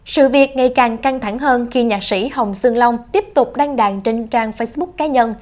sự việc ngày càng căng thẳng hơn khi nhạc sĩ hồng sương long tiếp tục đăng đàn trên trang facebook cá nhân